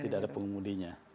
tidak ada pengumumdianya